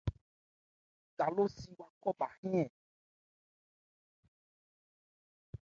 Kalósi wo khɔ bha e ?